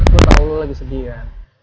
gue tau lo lagi sedih kan